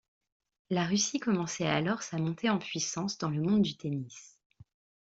La Russie commençait alors sa montée en puissance dans le monde du Tennis.